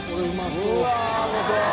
うわあうまそう！